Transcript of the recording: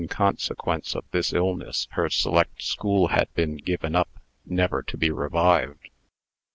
In consequence of this illness, her select school had been given up never to be revived.